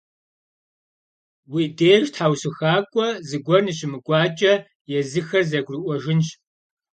Уи деж тхьэусыхакӏуэ зыгуэр ныщымыкӏуакӏэ, езыхэр зэгурыӏуэжынщ.